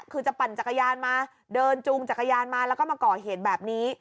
คือจะปั่นจักรยานมาเดินจูงจักรยานมาแล้วก็มาก่อเหตุแบบนี้